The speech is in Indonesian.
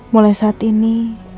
mulai saat ini